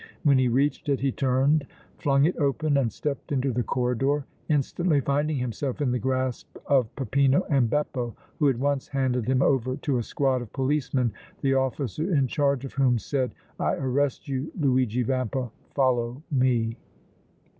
When he reached it, he turned, flung it open and stepped into the corridor, instantly finding himself in the grasp of Peppino and Beppo, who at once handed him over to a squad of policemen, the officer in charge of whom said: "I arrest you, Luigi Vampa! Follow me!"